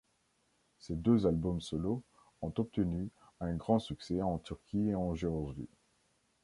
Ses deux albums solos ont obtenu un grand succès en Turquie et en Géorgie.